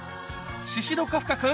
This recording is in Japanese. シシド・カフカ君